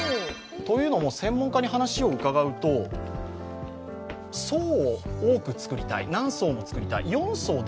というのも専門家に話を伺うと層を多く作りたい。